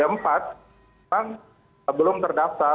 memang belum terdaftar